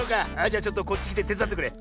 じゃちょっとこっちきててつだってくれ。